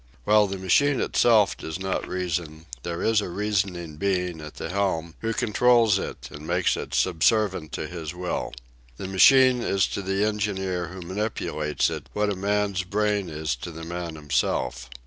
While the machine itself does not reason, there is a reasoning being at the helm, who controls it and makes it subservient to his will. The machine is to the engineer who manipulates it what a man's brain is to the man himself.